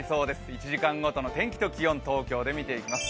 １時間ごとの天気と気温東京で見ていきます、